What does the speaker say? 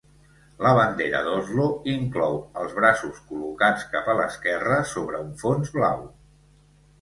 La bandera d'Oslo inclou els braços col·locats cap a l'esquerra sobre un fons blau.